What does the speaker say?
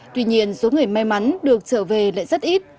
tuy nhiên số người may mắn được trở về lại rất ít